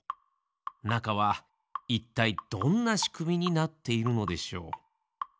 なかはいったいどんなしくみになっているのでしょう。